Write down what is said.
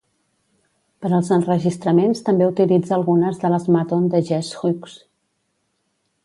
Per als enregistraments també utilitza algunes de les Maton de Jesse Hughes.